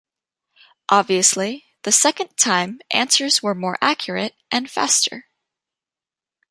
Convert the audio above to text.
Obviously the second time answers were more accurate and faster.